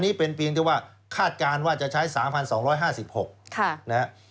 นี้เป็นเพียงที่ว่าคาดการณ์ว่าจะใช้๓๒๕๖นะครับ